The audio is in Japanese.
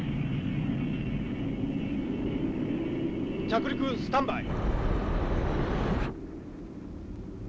着陸スタンバイ。